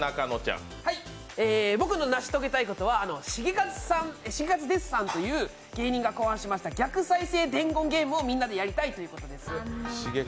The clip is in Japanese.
僕の成し遂げたいことはシゲカズですさんという芸人が考案しました、逆再生伝言ゲームをみんなでやりたいんです。